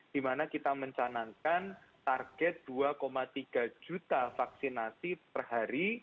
dimana kita mencanangkan target dua tiga juta vaksinasi per hari